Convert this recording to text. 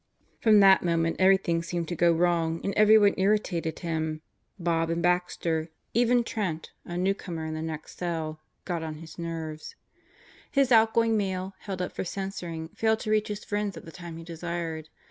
From that moment everything seemed to go wrong and everyone irritated him. Bob and Baxter even Trent, a newcomer, in the next cell Satan in the Cell Block 93 got on his nerves. His outgoing mail, held up for censoring, failed to reach his friends at the time he desired.